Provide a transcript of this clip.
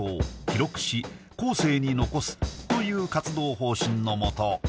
記録し後世に残すという活動方針の下